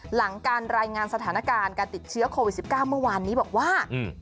หลังการรายงานสถานการณ์การติดเชื้อโควิด๑๙เมื่อวานนี้บอกว่า